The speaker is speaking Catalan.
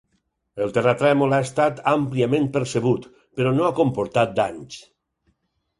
El terratrèmol ha estat àmpliament percebut, per no ha comportat danys.